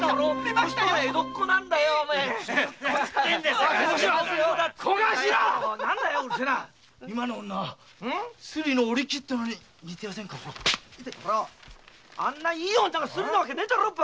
バカあんないい女がスリなわけねえだろ！